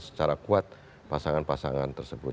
secara kuat pasangan pasangan tersebut